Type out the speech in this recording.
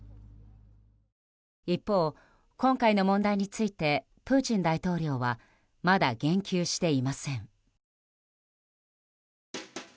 一方、今回の問題についてプーチン大統領はまだ言及していません。